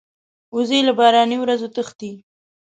وزې له باراني ورځو تښتي